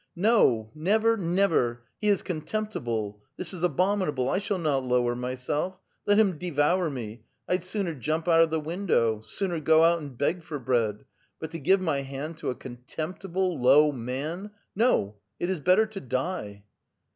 " No ! never ! never ! He is contemptible ! this is abomin able ! I shall not lower myself ; let him devour me ; I'd sooner jump out of the window — sooner go out and beg for bread — but to give my hand to a contemptible, low man — no ! it is better to die